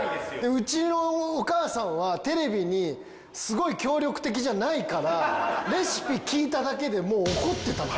うちのお母さんはテレビにすごい協力的じゃないからレシピ聞いただけでもう怒ってたの。